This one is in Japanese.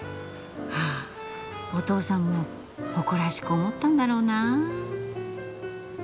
あお父さんも誇らしく思ったんだろうなあ。